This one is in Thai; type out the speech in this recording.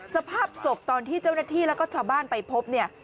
สภาพศพตอนที่เจ้าหน้าที่แล้วก็ชาวบ้านไปพบเนี่ย